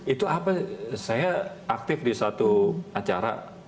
itu apa saya aktif di satu acara tv